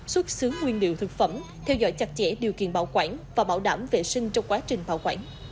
xuất xứ nguyên liệu thực phẩm theo dõi chặt chẽ điều kiện bảo quản và bảo đảm vệ sinh trong quá trình bảo quản